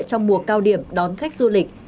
trong mùa cao điểm đón khách du lịch